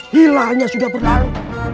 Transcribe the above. hilalnya sudah berlalu